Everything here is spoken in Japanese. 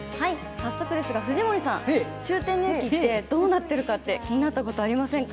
早速ですが、藤森さん、終点の駅ってどうなっているか気になったことありませんか？